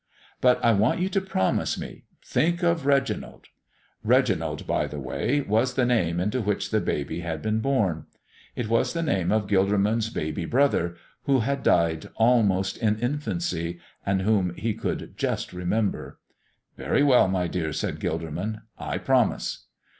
"But I want you to promise me think of Reginald." Reginald, by the way, was the name into which the baby had been born. It was the name of Gilderman's baby brother, who had died almost in infancy and whom he could just remember. "Very well, my dear," said Gilderman, "I promise."